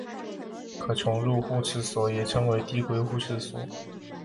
可重入互斥锁也称递归互斥锁。